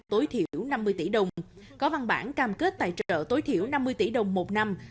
tối thiểu năm mươi tỷ đồng có văn bản cam kết tài trợ tối thiểu năm mươi tỷ đồng một năm